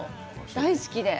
大好きで。